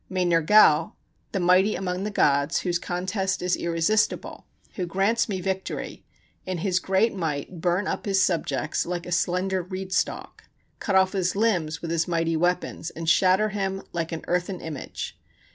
May Nergal, the mighty among the gods, whose contest is irresistible, who grants me victory, in his great might burn up his subjects like a slender reed stalk, cut off his limbs with his mighty weapons, and shatter him like an earthen image.